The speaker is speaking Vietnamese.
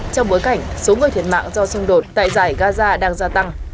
trong bối cảnh số người thiệt mạng do xung đột tại giải gaza đang gia tăng